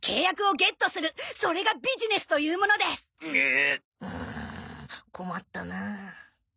うん困ったなあ。